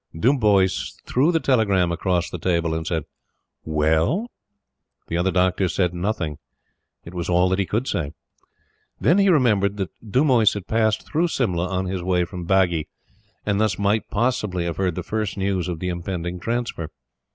Dumoise threw the telegram across the table and said: "Well?" The other Doctor said nothing. It was all that he could say. Then he remembered that Dumoise had passed through Simla on his way from Bagi; and thus might, possibly, have heard the first news of the impending transfer.